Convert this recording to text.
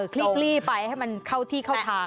ลีกลี่ไปให้มันเข้าที่เข้าทาง